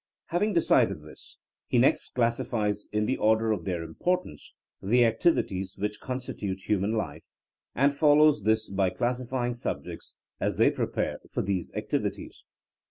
Having decided this, he next classifies in the order of their importance the activities which constitute human life, and follows this by classifying subjects as they prepare for these activities.